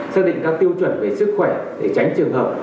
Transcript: xác định các tiêu chuẩn về sức khỏe để tránh trường hợp